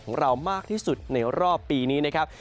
ของเรามากที่สุดในรอบปีนี้นะครับ